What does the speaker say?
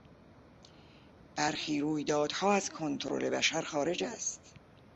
برخی رویدادها از کنترل بشر خارج است.